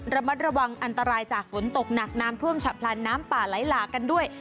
ระมัดระวังอันตรายจากฝนตกหนักน้ำท่วมฉับพลันน้ำป่าไหลหลากกันด้วย